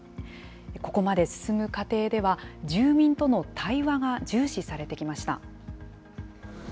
ここまで進む過程では、住民との対話が重視されてきました。